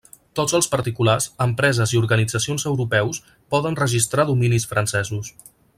Tots els particulars, empreses i organitzacions europeus poden registrar dominis francesos.